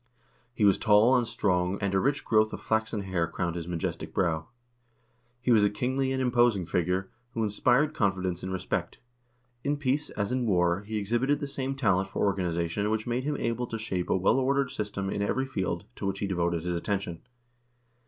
He was tall and strong, and a rich growth of flaxen hair crowned his majestic brow. He was a kingly and imposing figure, who inspired confidence and respect. In peace, as in war, he exhibited the same talent for organization which made him able to shape a well ordered system in every field to which he devoted his attention.